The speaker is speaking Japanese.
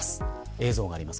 映像があります。